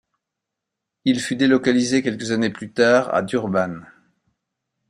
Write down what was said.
Il fut délocalisé quelques années plus tard à Durban.